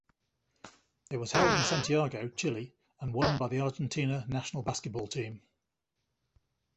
It was held in Santiago, Chile and won by the Argentina national basketball team.